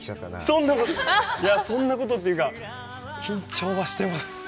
そんなこと、そんなことというか、緊張はしています。